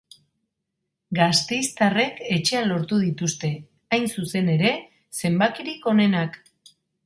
Gasteiztarrek etxean lortu dituzte, hain zuzen ere, zenbakirik onenak.